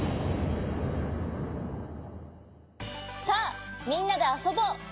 さあみんなであそぼう！